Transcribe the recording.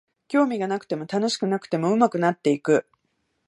興味がなくても楽しくなくても上手くなっていく